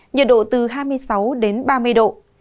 nhiệt độ từ hai mươi sáu ba mươi độ